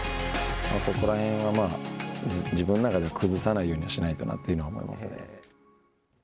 そこら辺は自分の中では崩さないようにしないとなと思いますね。